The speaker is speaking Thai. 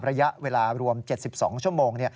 ระยะเวลารวม๗๒ชั่วโมง